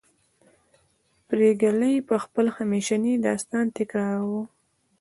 پريګلې به خپل همیشنی داستان تکراروه